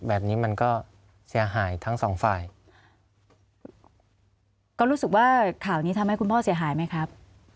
แบบนี้มันก็เสียหายทั้งสองฝ่ายก็รู้สึกว่าข่าวนี้ทำให้คุณพ่อเสียหายไหมครับ